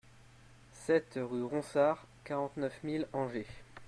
sept rUE RONSARD, quarante-neuf mille Angers